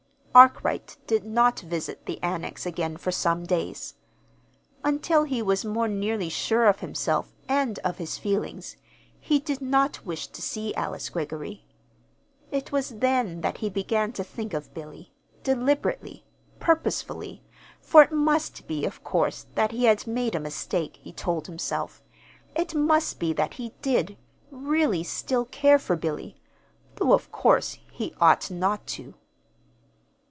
Arkwright did not visit the Annex again for some days. Until he was more nearly sure of himself and of his feelings, he did not wish to see Alice Greggory. It was then that he began to think of Billy, deliberately, purposefully, for it must be, of course, that he had made a mistake, he told himself. It must be that he did, really, still care for Billy though of course he ought not to.